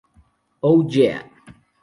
O, Yeah!